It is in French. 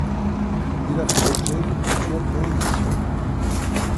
Il a fait l'objet de plusieurs rééditions.